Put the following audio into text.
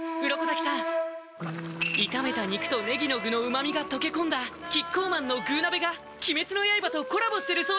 鱗滝さん炒めた肉とねぎの具の旨みが溶け込んだキッコーマンの「具鍋」が鬼滅の刃とコラボしてるそうです